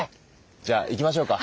じゃあ行きましょうか。